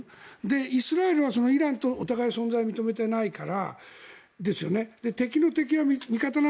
イスラエルはそのイランとお互い存在を認めてないから。